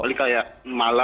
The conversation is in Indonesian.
jadi kayak malam